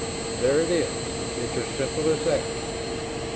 There it is it's as simple as that.